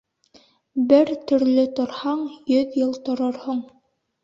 Бер төрлө торһаң, йөҙ йыл торорһоң.